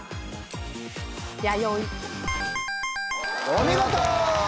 お見事！